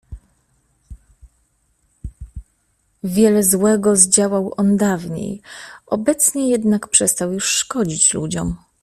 "Wiele złego zdziałał on dawniej, obecnie jednak przestał już szkodzić ludziom."